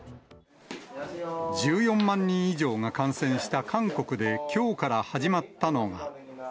１４万人以上が感染した韓国できょうから始まったのが。